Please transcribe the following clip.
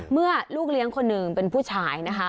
เมื่อลูกเลี้ยงคนอื่นเป็นผู้ชายนะคะ